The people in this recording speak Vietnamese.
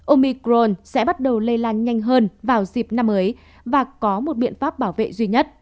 omicron sẽ bắt đầu lây lan nhanh hơn vào dịp năm mới và có một biện pháp bảo vệ duy nhất